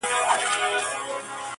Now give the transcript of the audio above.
اول يې زلفې کړې خورې بيا يې راواړوو مخ